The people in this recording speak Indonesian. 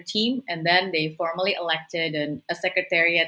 dan kemudian mereka memilih sekretariat